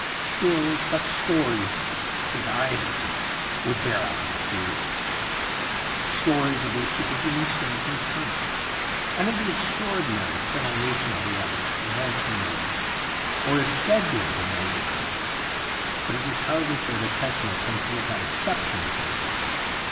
Still, such stories as I have heard would bear out my theory — stories of their superhuman strength and cunning, and of the extraordinary prolongation of life that has been noted, or is said to 147 II 2 THE UNDYING THING have been noted, in them. But it is hardly fair to test my principle by exceptional cases.